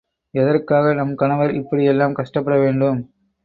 எதற்காக நம் கணவர் இப்படி எல்லாம் கஷ்டப்படவேண்டும்?